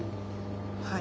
はい。